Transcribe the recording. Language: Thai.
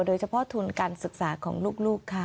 โดยเฉพาะทุนการศึกษาของลูกค่ะ